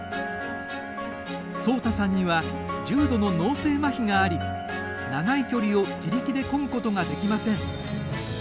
聡太さんには重度の脳性まひがあり長い距離を自力でこぐことができません。